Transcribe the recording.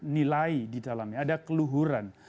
nilai di dalamnya ada keluhuran